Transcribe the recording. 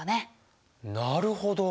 なるほど。